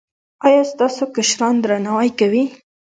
ایا ستاسو کشران درناوی کوي؟